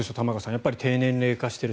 やっぱり低年齢化している。